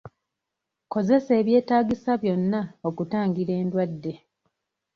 Kozesa ebyetaagisa byonna okutangira endwadde.